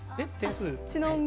ちなみに？